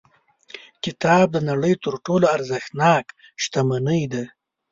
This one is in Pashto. کتاب د نړۍ تر ټولو ارزښتناک شتمنۍ ده.